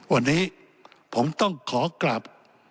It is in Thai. วันนี้ผมต้องขอกลับ